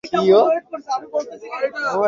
বরং তারা মুসলিম আবু বকর আবদুল্লাহকে খুঁজছিল।